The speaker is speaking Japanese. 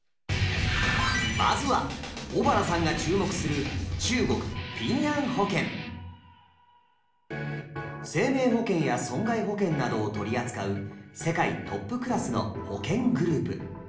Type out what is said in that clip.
まずは尾原さんが注目する生命保険や損害保険などを取り扱う世界トップクラスの保険グループ。